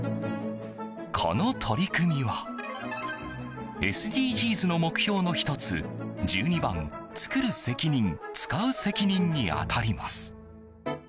この取り組みはＳＤＧｓの目標の１つ、１２番「つくる責任つかう責任」に当たります。